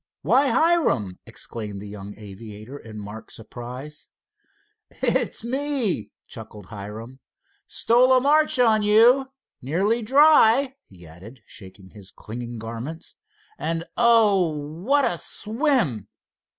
"Why, Hiram," exclaimed the young aviator in marked surprise. "It's me," chuckled Hiram. "Stole a march on you. Nearly dry," he added, shaking his clinging garments. "And oh! what a swim."